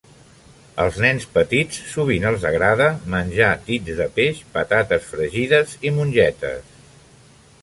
Els nens petits sovint els agrada menjar dits de peix, patates fregides i mongetes